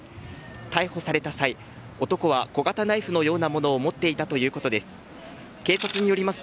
逮捕された際、男は小型ナイフのようなものを持っていたということです。